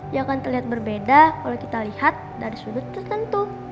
ya akan terlihat berbeda kalau kita lihat dari sudut tertentu